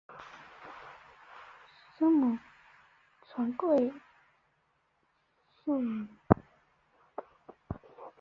生母纯贵妃苏氏。